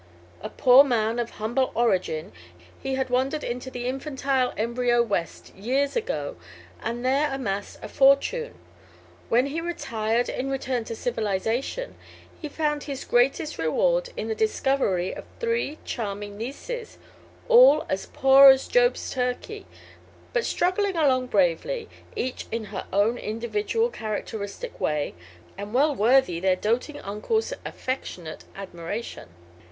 A poor man, of humble origin, he had wandered into the infantile, embryo West years ago and there amassed a fortune. When he retired and returned to "civilization" he found his greatest reward In the discovery of three charming nieces, all "as poor as Job's turkey" but struggling along bravely, each in her individual characteristic way, and well worthy their doting uncle's affectionate admiration.